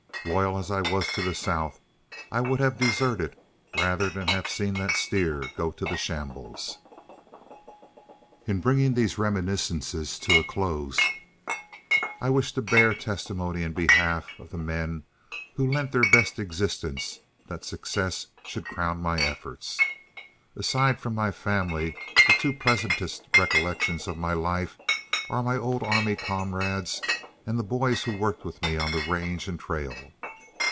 Loyal as I was to the South, I would have deserted rather than have seen that steer go to the shambles. In bringing these reminiscences to a close, I wish to bear testimony in behalf of the men who lent their best existence that success should crown my efforts. Aside from my family, the two pleasantest recollections of my life are my old army comrades and the boys who worked with me on the range and trail.